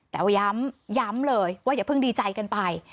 แต่ว่าย้ำเลยว่าอย่าเพิ่งดีใจกันไป